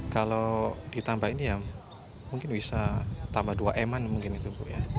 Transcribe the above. kalau ditambah ini ya mungkin bisa tambah dua eman mungkin itu bu ya